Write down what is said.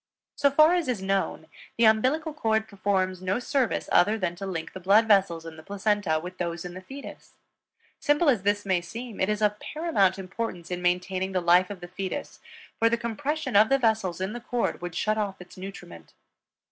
So far as is known; the umbilical cord performs no service other than to link the blood vessels in the placenta with those in the fetus. Simple as this may seem, it is of paramount importance in maintaining the life of the fetus, for compression of the vessels in the cord would shut off its nutriment.